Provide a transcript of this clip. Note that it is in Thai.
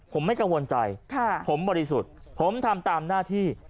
ผมไม่กังวลใจผมบริสุทธิ์ผมทำตามหน้าที่